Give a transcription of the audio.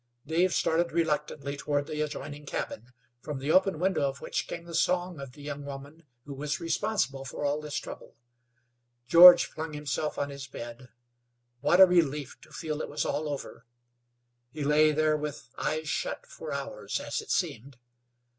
Dave started reluctantly toward the adjoining cabin, from the open window of which came the song of the young woman who was responsible for all this trouble. George flung himself on his bed. What a relief to feel it was all over! He lay there with eves shut for hours, as it seemed.